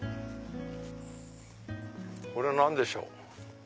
これ何でしょう？